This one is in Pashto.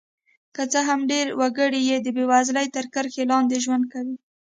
که څه هم ډېری وګړي یې د بېوزلۍ تر کرښې لاندې ژوند کوي.